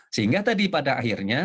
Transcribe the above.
sehingga tadi pada akhirnya